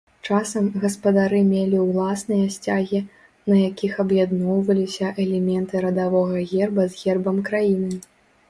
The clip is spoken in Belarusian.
Часам, гаспадары мелі ўласныя сцягі, на якіх аб'ядноўваліся элементы радавога герба з гербам краіны.